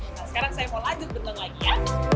nah sekarang saya mau lanjut bentang lagi ya